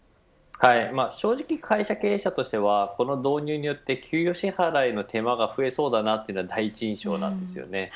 正直、会社経営者としてはこの導入によって給与支払いの手間が増えそうだなというのが第一印象です。